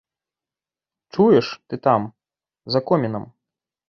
Чуеш, ты там, за комінам!